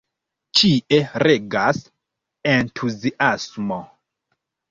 Ĉie regas entuziasmo.